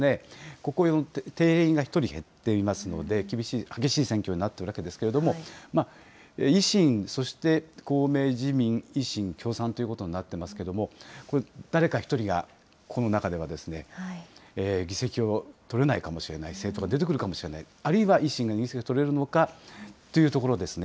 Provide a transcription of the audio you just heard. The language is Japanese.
ここ、定員が１人減っていますので、厳しい、激しい選挙になっているわけですけれども、維新、そして公明、自民、維新、共産ということになってますけれども、これ、誰か１人がこの中では議席を取れないかもしれない政党が出てくるかもしれない、あるいは維新が２議席取れるのかというところですね。